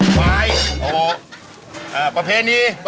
ควายโอ้โหประเภทนี้